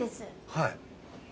はい。